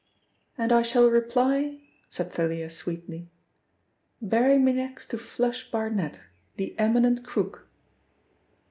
"And I shall reply," said Thalia sweetly, "bury me next to 'Flush' Barnet, the eminent crook."